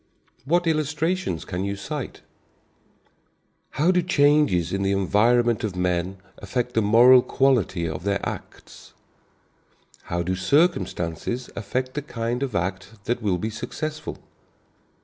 What illustrations can you cite? How do changes in the environment of men affect the moral quality of their acts? How do circumstances affect the kind of act that will be successful?